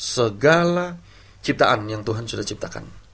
segala citaan yang tuhan sudah ciptakan